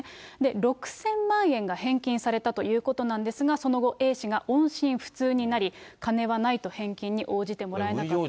６０００万円が返金されたということなんですが、その後、Ａ氏が音信不通になり、金はないと返金に応じてもらえなかった。